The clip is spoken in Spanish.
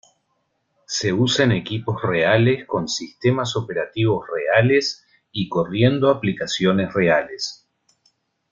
Se usan equipos reales con sistemas operativos reales y corriendo aplicaciones reales.